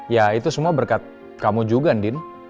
ya itu semua berkat kamu juga andin